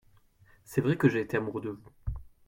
C’est vrai que j’ai été amoureux de vous.